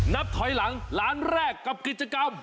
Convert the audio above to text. นับถอยหลังล้านแรกกับกิจกรรม